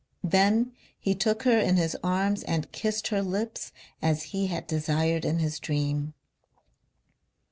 Then he took her in his arms and kissed her lips as he had desired in his dream....